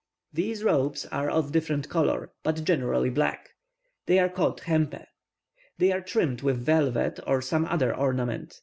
These robes are of different colours, but generally black; they are called 'hempe.' They are trimmed with velvet or some other ornament.